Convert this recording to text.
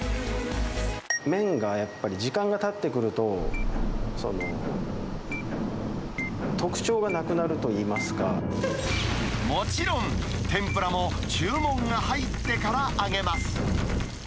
麺がやっぱり、時間がたってくると、もちろん、天ぷらも注文が入ってから揚げます。